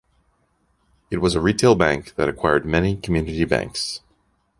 It was a retail bank that acquired many community banks.